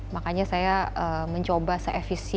makanya saya mencoba seefisien